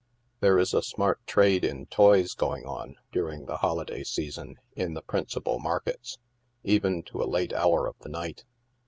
There is a smart trade in toys going on, during the holiday sea son, in the principal markets, even to a late hour of the night.